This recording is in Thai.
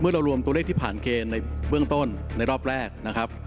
เรารวมตัวเลขที่ผ่านเกณฑ์ในเบื้องต้นในรอบแรกนะครับ